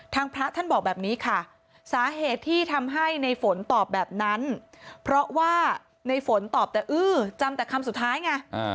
พระท่านบอกแบบนี้ค่ะสาเหตุที่ทำให้ในฝนตอบแบบนั้นเพราะว่าในฝนตอบแต่อื้อจำแต่คำสุดท้ายไง